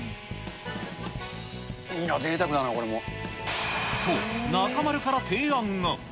ぜいたくだな、これも。と、中丸から提案が。